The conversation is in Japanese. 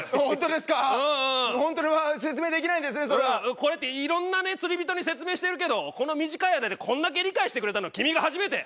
こうやっていろんなね釣り人に説明してるけどこの短い間でこんだけ理解してくれたのは君が初めて。